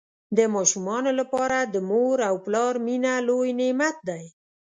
د ماشومانو لپاره د مور او پلار مینه لوی نعمت دی.